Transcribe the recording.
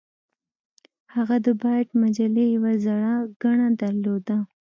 هغه د بایټ مجلې یوه زړه ګڼه درلوده